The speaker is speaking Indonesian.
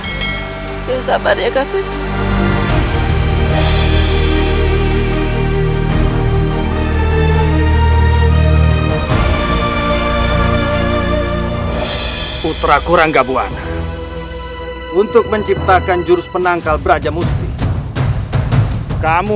hai agar aku tidak bertemu denganmu